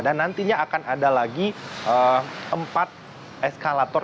dan nantinya akan ada lagi empat eskalator